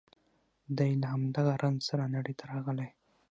دی له همدغه رنځ سره نړۍ ته راغلی